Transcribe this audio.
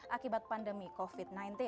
akibat pandemi covid sembilan belas